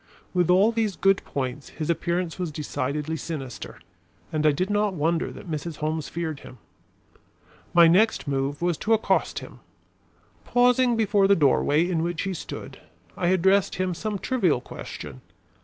With all these good points his appearance was decidedly sinister, and I did not wonder that Mrs. Holmes feared him. My next move was to accost him. Pausing before the doorway in which he stood, I addressed him some trivial question.